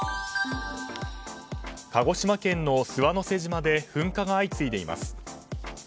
鹿児島県の諏訪之瀬島で噴火が相次いでいます。